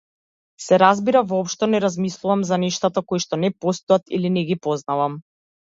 Се разбира, воопшто не размислувам за нештата коишто не постојат или не ги познавам.